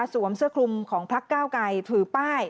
สวมเสื้อคลุมของพักก้าวกลายถือป้าย